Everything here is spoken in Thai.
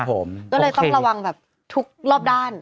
ก็เลยต้องระวังแบบทุกรอบด้าน